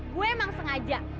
gue emang sengaja